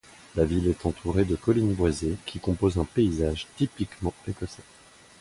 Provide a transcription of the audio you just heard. La ville est entourée de collines boisées, qui composent un paysage typiquement écossais.